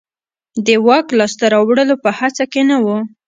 د واک لاسته راوړلو په هڅه کې نه و.